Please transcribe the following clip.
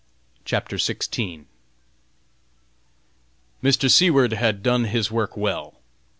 CHAPTER XVI. Mr. Seward had done his work well.